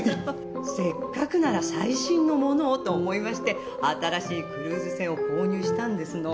せっかくなら最新のものをと思いまして新しいクルーズ船を購入したんですの。